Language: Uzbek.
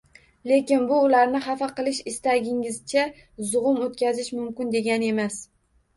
Lekin, bu – ularni xafa qilish, istaganingizcha zug‘um o‘tkazish mumkin, degani emas.